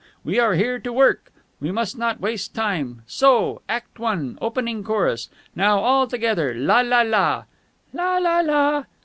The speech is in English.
We are here to work! We must not waste time! So! Act One, Opening Chorus. Now, all together. La la la...."